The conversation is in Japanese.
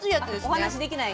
お話できない。